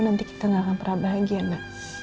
nanti kita nggak akan pernah bahagia ma